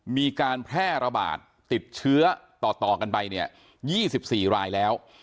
มีการแพร่ระบาดติดเชื้อต่อกันไปเนี่ย๒๔รายแล้ว